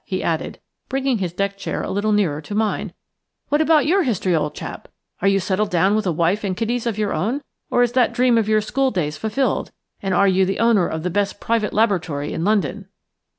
he added, bringing his deck chair a little nearer to mine. "What about your history, old chap? Are you settled down with a wife and kiddies of your own, or is that dream of your school days fulfilled, and are you the owner of the best private laboratory in London?"